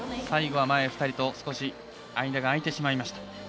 最後は前２人と少し間が空いてしまいました。